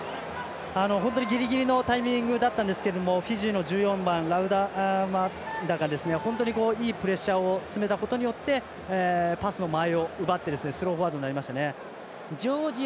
本当にギリギリのタイミングだったんですがフィジーの１４番ラブタウマンダが本当にいいプレッシャーを詰めたことによってパスの間合いがスローフォワードになってしまいましたね。